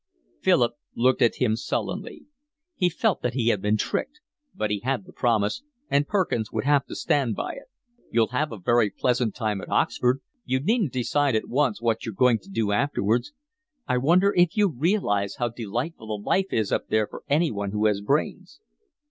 Philip looked at him sullenly. He felt that he had been tricked; but he had the promise, and Perkins would have to stand by it. "You'll have a very pleasant time at Oxford. You needn't decide at once what you're going to do afterwards. I wonder if you realise how delightful the life is up there for anyone who has brains."